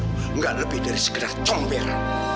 tidak lebih dari sekedar comber